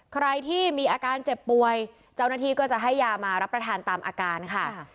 ใครที่มีอาการเจ็บป่วยเจ้าหน้าที่ก็จะให้ยามารับประทานตามอาการค่ะ